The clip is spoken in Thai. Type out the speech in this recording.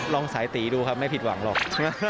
สายตีดูครับไม่ผิดหวังหรอก